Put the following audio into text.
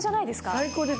最高です。